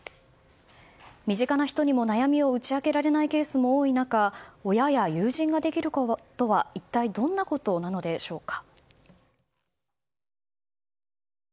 身近な人にも悩みを打ち明けられないケースも多い中親や友人ができることは一体どんなことなのでしょうか。